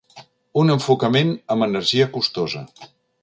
Un enfocament amb energia costosa.